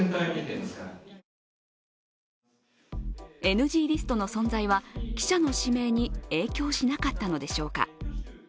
ＮＧリストの存在は、記者の指名に影響しなかったのでしょうか。